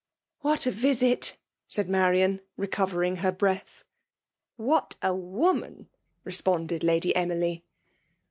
" What a visit !'* said Marian^ recovering her breath. '* What a woman !" responded Lady Emily.